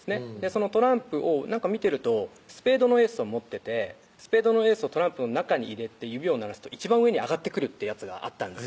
そのトランプを見てるとスペードのエースを持っててスペードのエースをトランプの中に入れて指を鳴らすと一番上に上がってくるってやつがあったんです